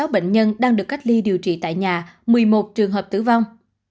năm bảy trăm tám mươi sáu bệnh nhân đang được cách ly điều trị tại nhà một mươi một trường hợp tử vong